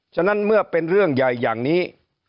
ฉะนั้นเมื่อเป็นเรื่องใหญ่อย่างนี้